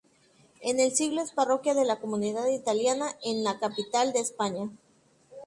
En el siglo es parroquia de la comunidad italiana en la capital de España.